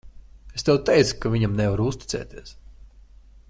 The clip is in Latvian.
Es tev teicu, ka viņam nevar uzticēties.